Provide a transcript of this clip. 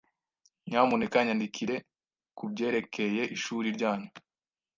Nyamuneka nyandikire kubyerekeye ishuri ryanyu.